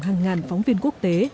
hàng ngàn phóng viên quốc tế